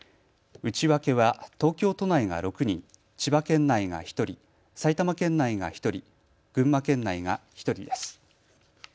内訳は東京都内が６人、千葉県内が１人、埼玉県内が１人、群馬県内が１人です。